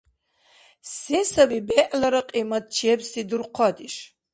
Се саби бегӀлара кьиматчебси дурхъадеш?